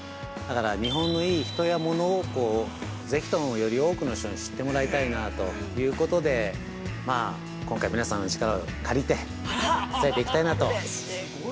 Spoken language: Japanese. だから日本のいい人や物をぜひともより多くの人に知ってもらいたいなということで今回皆さんの力を借りて、伝えていきたいなと。